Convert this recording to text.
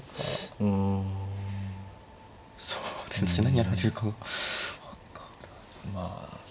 ああそうですね。